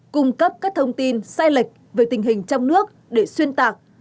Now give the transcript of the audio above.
cung cấp các thông tin sai lệch về tình hình trong nước để xuyên tạc